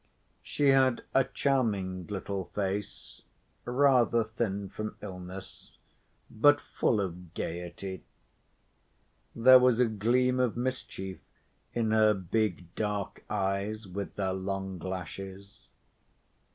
She had a charming little face, rather thin from illness, but full of gayety. There was a gleam of mischief in her big dark eyes with their long lashes.